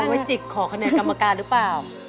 ไว้จิกขอคะแนนกรรมการหรือเปล่า